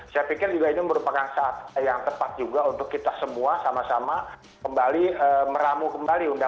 saya pikir juga ini merupakan saat yang tepat juga untuk kita semua sama sama kembali meramu kembali